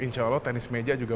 insya allah tenis meja juga